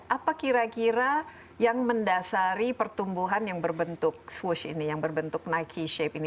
apa kira kira yang mendasari pertumbuhan yang berbentuk swish ini yang berbentuk nike shape ini